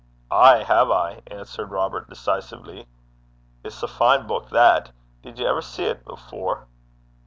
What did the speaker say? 'Ay have I,' answered Robert, decisively. 'It's a fine buik, that. Did ye ever see 't afore?'